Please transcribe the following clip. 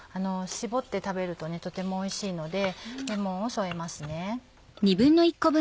搾って食べるととてもおいしいのでレモンを添えますね。